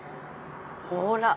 ほら！